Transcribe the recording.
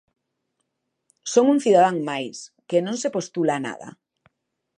"Son un cidadán máis" que non "se postula a nada".